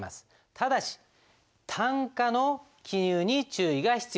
ただし単価の記入に注意が必要です。